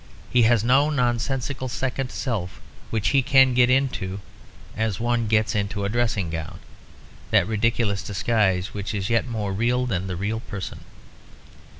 He has no nonsensical second self which he can get into as one gets into a dressing gown; that ridiculous disguise which is yet more real than the real person.